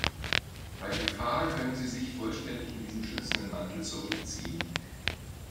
Bei Gefahr können sie sich vollständig in diesen schützenden Mantel zurückziehen.